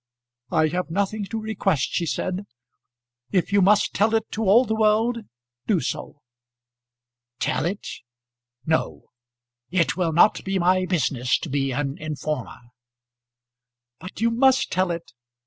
"I have nothing to request," she said. "If you must tell it to all the world, do so." "Tell it; no. It will not be my business to be an informer." "But you must tell it.